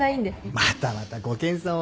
またまたご謙遜を。